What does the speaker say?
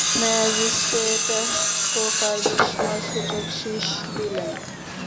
Magistrate একপ্রকার বিস্ময়সূচক শিস দিলেন।